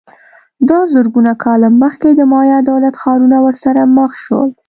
دا زرګونه کاله مخکې د مایا دولت ښارونه ورسره مخ شول